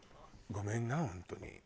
ごめんな本当に。